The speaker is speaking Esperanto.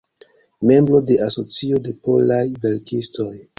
Membro de Asocio de Polaj Verkistoj.